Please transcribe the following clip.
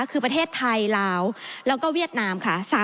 คือประเทศไทยลาวแล้วก็เวียดนามค่ะ